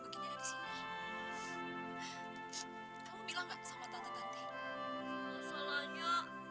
kamu tuh jangan pernah bikin ulah lagi ya